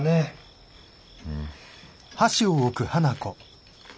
うん。